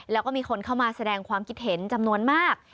แล้วก็มีคนเข้ามาแสดงความคิดเห็นจำนวนมาก